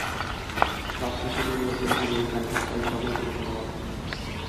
সবকিছু পরিবর্তন হবে এখানে, তাই সকলকে ধন্যবাদ।